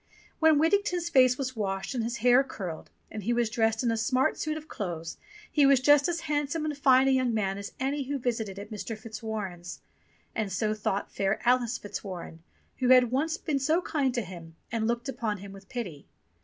When Whittington*s face was washed, his hair curled, and he was dressed in a smart suit of clothes he was just as handsome and fine a young man as any who visited at Mr. DICK WHITTINGTON AND HIS CAT 251 Fitzwarren's, and so thought fair AHce Fitzwarren, who had once been so kind to him and looked upon him with pity.